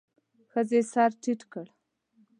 ښځې سر ټيت کړ.